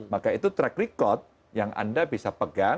maka itu track record yang anda bisa pegang